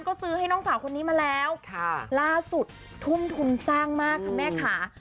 ก็ซื้อให้น้องสาวคนนี้มาแล้วล่าสุดทุ่มทุนสร้างมากค่ะแม่ค่ะ